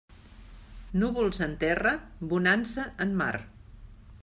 Núvols en terra, bonança en mar.